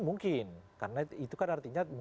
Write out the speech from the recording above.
mungkin karena itu kan artinya